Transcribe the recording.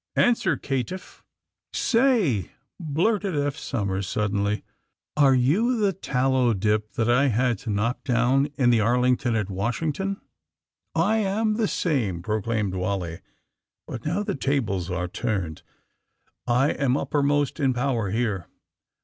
Answer, caitiff !" ^^Say," blurted Eph Somers, suddenly, are you the tallow dip that I had to knock down in the Arlington at Washington 1 '' ^^I am the same," proclaimed Wally, *^but now the tables are turned. I am uppermost in power here.